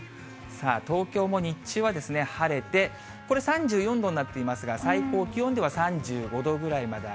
東京も日中は晴れて、これ３４度になっていますが、最高気温では３５度ぐらいまで上